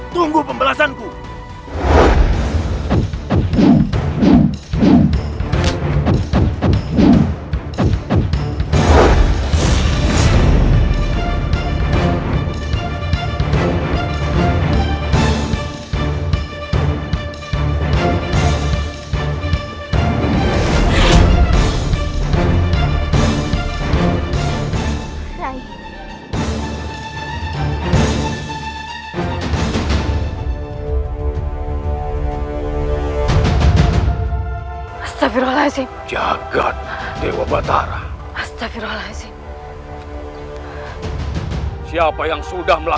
kau belum tahu siapa